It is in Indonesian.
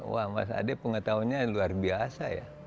wah mas ade pengetahunya luar biasa ya